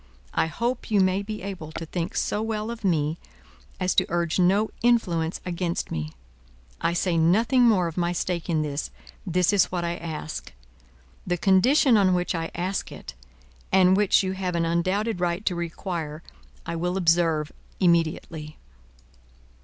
I hope you may be able to think so well of me, as to urge no influence against me. I say nothing more of my stake in this; this is what I ask. The condition on which I ask it, and which you have an undoubted right to require, I will observe immediately."